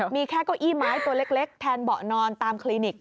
มีแค่เก้าอี้ไม้ตัวเล็กแทนเบาะนอนตามคลินิก